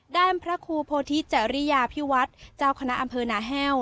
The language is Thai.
ด้านพระครูโพธิเจอริยาพิวัตรเจ้าคณะอำเภอหน้าแห้ว